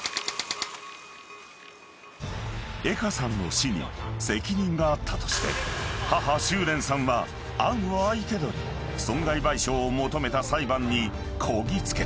［江歌さんの死に責任があったとして母秋蓮さんは杏を相手取り損害賠償を求めた裁判にこぎ着けた］